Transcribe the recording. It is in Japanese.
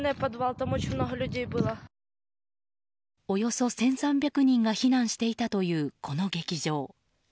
およそ１３００人が避難していたという、この劇場。